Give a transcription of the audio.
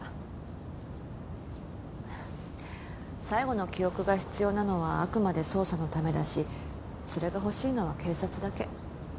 最後の記憶が必要なのはあくまで捜査のためだしそれが欲しいのは警察だけ。